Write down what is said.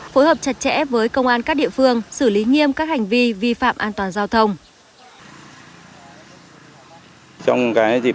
phối hợp chặt chẽ với công an các địa phương xử lý nghiêm các hành vi vi phạm an toàn giao thông